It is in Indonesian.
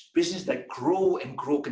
bisnis yang tumbuh dan tumbuh